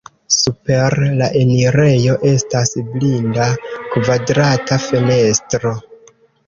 Super la enirejo estas blinda kvadrata fenestro.